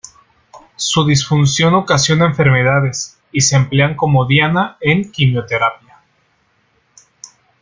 Su disfunción ocasiona enfermedades, y se emplean como diana en quimioterapia.